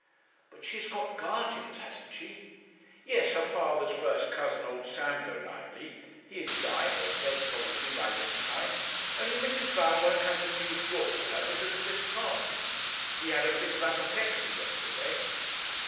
'But she has got guardians, hasn't she?' 'Yes her father's first cousin, old Sam Golightly. He is dying; or dead probably by this time; only Mrs. Val won't have the news brought to her, because of this party. He had a fit of apoplexy yesterday.